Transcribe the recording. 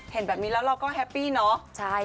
เห็นแบบนี้แล้วเราก็แฮปปี้เนาะ